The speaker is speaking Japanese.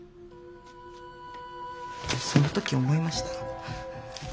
その時思いました。